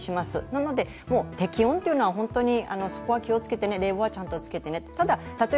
なので、適温というのは気をつけて冷房はちゃんとつけてねと。